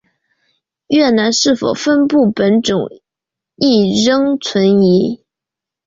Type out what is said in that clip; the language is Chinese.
越南是否分布本种亦仍存疑。